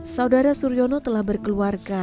saudara suryono telah berkeluarga